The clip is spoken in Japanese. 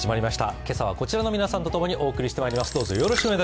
今朝はこちらの皆さんと共にお送りしてまいります。